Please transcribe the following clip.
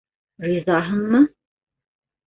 Ризаһыңмы?